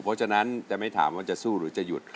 เพราะฉะนั้นจะไม่ถามว่าจะสู้หรือจะหยุด